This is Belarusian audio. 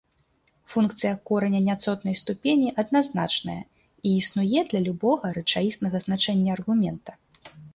Функцыя кораня няцотнай ступені адназначная і існуе для любога рэчаіснага значэння аргумента.